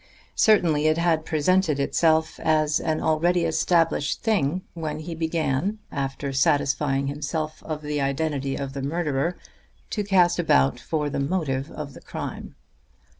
Certainly it had presented itself as an already established thing when he began, after satisfying himself of the identity of the murderer, to cast about for the motive of the crime.